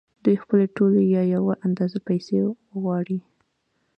دوی خپلې ټولې یا یوه اندازه پیسې وغواړي